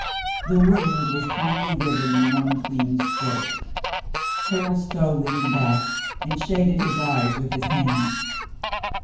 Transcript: The wound was kindly given in one clean stroke. Colonel Stow leaned back and shaded his eyes with his hand.